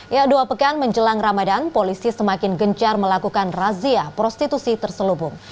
ya dua pekan menjelang ramadan polisi semakin gencar melakukan razia prostitusi terselubung